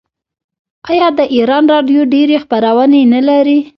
آیا د ایران راډیو ډیرې خپرونې نلري؟